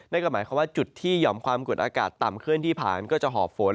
นั่นก็หมายความว่าจุดที่หย่อมความกดอากาศต่ำเคลื่อนที่ผ่านก็จะหอบฝน